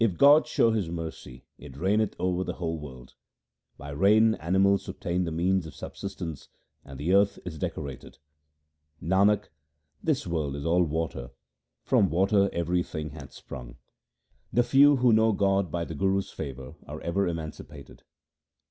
If God show His mercy it raineth over the whole world. By rain animals obtain the means of subsistence, and the earth is decorated. Nanak, this world is all water ; from water everything hath sprung. The few who know God by the Guru's favour are ever emancipated.